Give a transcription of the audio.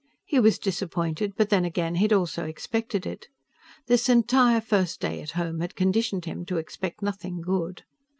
He was disappointed; but then again, he'd also expected it. This entire first day at home had conditioned him to expect nothing good.